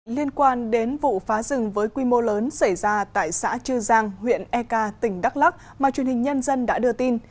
liên quan đến vụ phá rừng với quy mô lớn xảy ra tại xã chư giang huyện ek tỉnh đắk lắc mà truyền hình nhân dân đã đưa tin